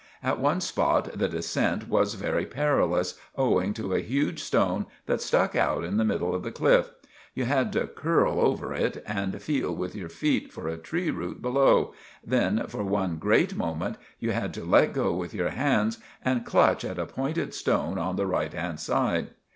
At one spot the dissent was very perilous owing to a huge stone that stuck out in the middle of the cliff. You had to curl over it and feal with your feet for a tree root below, then, for one grate moment, you had to let go with your hands and cluch at a pointed stone on the right hand side.